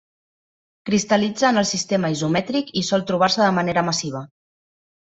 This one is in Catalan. Cristal·litza en el sistema isomètric i sol trobar-se de manera massiva.